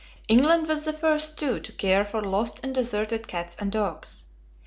England was the first, too, to care for lost and deserted cats and dogs.